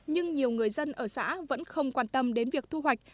nhưng nhiều người dân ở xã vẫn không quan tâm đến việc thu hoạch